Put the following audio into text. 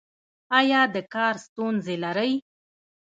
ایا د کار ستونزې لرئ؟